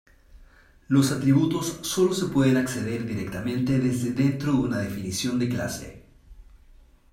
Los atributos sólo se pueden acceder directamente desde dentro de una definición de clase.